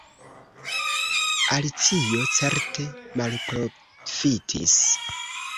Alicio certe malprofitis.